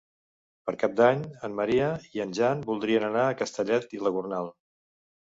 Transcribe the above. Per Cap d'Any en Maria i en Jan voldrien anar a Castellet i la Gornal.